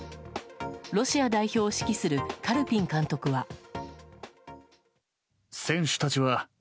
ロシア代表を指揮するカルピン監督は。